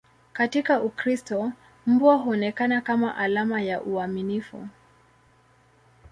Katika Ukristo, mbwa huonekana kama alama ya uaminifu.